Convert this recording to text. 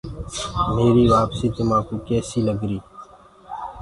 ميري وآپسي تمآڪوُ ڪيسي لگر۔